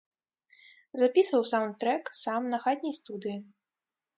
Запісваў саўнд-трэк сам на хатняй студыі.